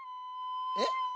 えっ？